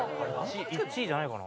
１位じゃないかな。